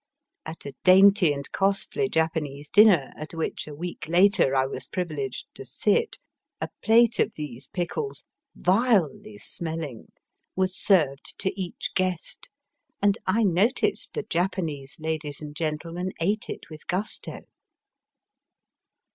At a dainty and costly Japanese dinner at which a week later I was privileged to sit, a plate of these pickles, vilely smelling, was served to each guest, and I noticed the Japanese ladies and gentlemen ate it with gusto.